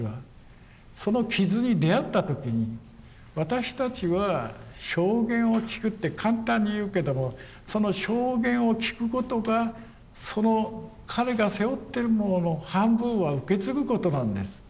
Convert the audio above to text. その傷に出会った時に私たちは証言を聞くって簡単に言うけどもその証言を聞くことがその彼が背負ってるものの半分は受け継ぐことなんです。